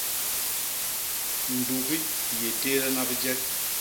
Ndugi i yé téédana bijek.